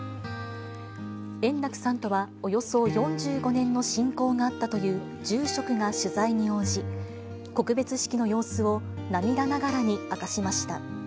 円楽さんとは、およそ４５年の親交があったという住職が取材に応じ、告別式の様子を涙ながらに明かしました。